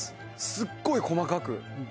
すっごい細かく。